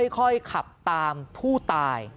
ค่อยขับตามผู้ตาย